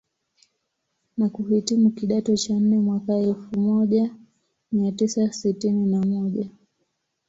Na kuhitimu kidato cha nne mwaka elfu moja mia tisa sitini na moja